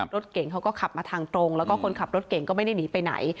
รถเก่งเขาก็ขับมาทางตรงแล้วก็คนขับรถเก่งก็ไม่ได้หนีไปไหน